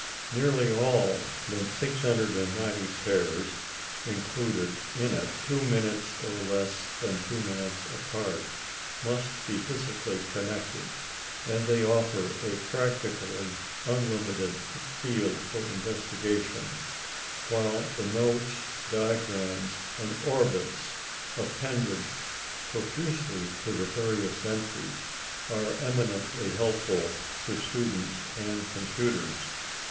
Nearly all the 690 pairs included in it, 2" or less than 2" apart, must be physically connected; and they offer a practically unlimited field for investigation; while the notes, diagrams, and orbits appended profusely to the various entries, are eminently helpful to students and computers.